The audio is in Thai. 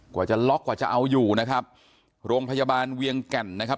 กว่าจะล็อกกว่าจะเอาอยู่นะครับโรงพยาบาลเวียงแก่นนะครับ